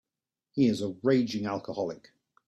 He is a raging alcoholic.